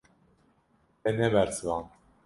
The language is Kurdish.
Te nebersivand.